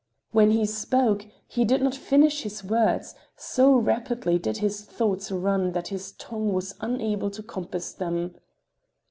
When he spoke, he did not finish his words, so rapidly did his thoughts run that his tongue was unable to compass them.